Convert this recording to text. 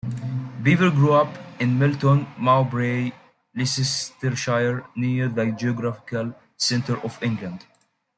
Beever grew up in Melton Mowbray, Leicestershire, near the geographical centre of England.